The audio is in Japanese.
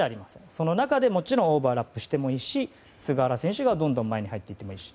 その中で、もちろんオーバーラップしてもいいし菅原選手がどんどん前に入っていってもいいし。